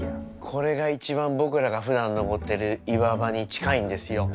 これが一番僕らがふだん登ってる岩場に近いんですよ。